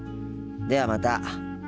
ではまた。